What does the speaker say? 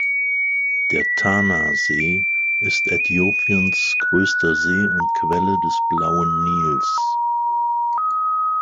Der Tanasee ist Äthiopiens größter See und Quelle des Blauen Nils.